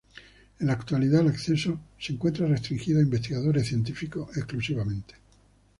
En la actualidad el acceso se encuentra restringido a investigadores científicos exclusivamente.